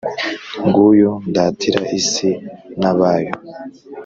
nguyu ndatira isi n’abayo